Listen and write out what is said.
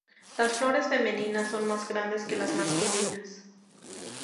Las flores femeninas son más grandes que las masculinas.